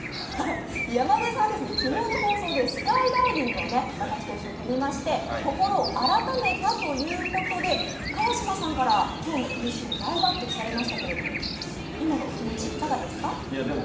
山添さん、昨日の放送でスカイダイビングを私と一緒に飛びまして、心を改めたということで川島さんから今日のＭＣに大抜てきされましたけど今のお気持ちいかがですか？